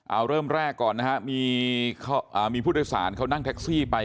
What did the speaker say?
เอาเริ่มแรกก่อนนะฮะมีผู้โดยสารเขานั่งแท็กซี่ไป